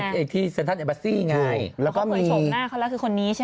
เขาเปิดโฉมหน้าเขาแล้วคือคนนี้ใช่ไหม